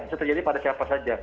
itu terjadi pada siapa saja